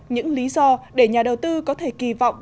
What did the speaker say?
những lý do để nhà đầu tư có thể kỳ vọng